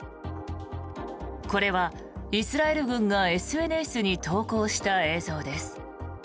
これはイスラエル軍がＳＮＳに投稿した映像です。